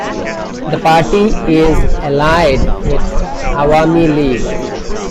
The party is allied with Awami League.